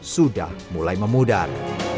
sudah mulai memudar